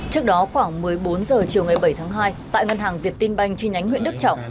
trước đó khoảng một mươi bốn h chiều ngày bảy tháng hai tại ngân hàng việt tinh banh trên nhánh huyện đức trọng